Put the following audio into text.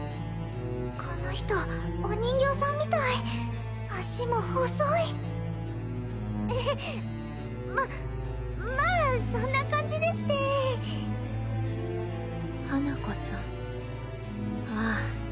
この人お人形さんみたい足も細いえへっままあそんな感じでして花子さんああ